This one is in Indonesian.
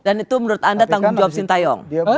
dan itu menurut anda tanggung jawab sintayong